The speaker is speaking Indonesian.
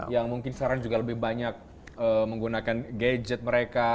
yang mungkin sekarang juga lebih banyak menggunakan gadget mereka